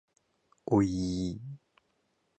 おいいい